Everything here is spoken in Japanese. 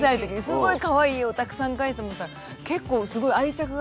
すごいかわいい絵をたくさん描いてもらったら結構すごい愛着が湧いて。